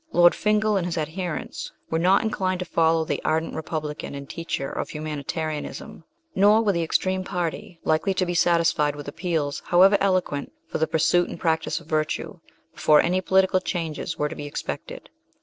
Lord Fingal and his adherents were not inclined to follow the Ardent Republican and teacher of Humanitarianism ; nor were the extreme party likely SHELLEY. 53 to be satisfied with appeals, however eloquent, for the pursuit and practice of virtue before any political changes were to be expected.